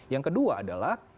yang kedua adalah